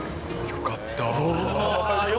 よかった。